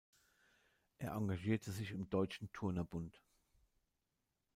Er engagierte sich im Deutschen Turnerbund.